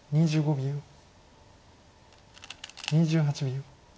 ２８秒。